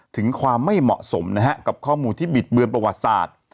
ถึงความไม่เหมาะสมนะฮะกับข้อมูลที่บิดเบือนประวัติศาสตร์